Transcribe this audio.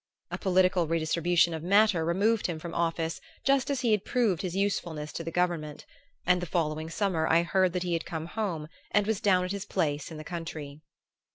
A political redistribution of matter removed him from office just as he had proved his usefulness to the government; and the following summer I heard that he had come home and was down at his place in the country.